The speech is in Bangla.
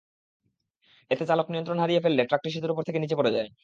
এতে চালক নিয়ন্ত্রণ হারিয়ে ফেললে ট্রাকটি সেতুর ওপর থেকে নিচে পড়ে যায়।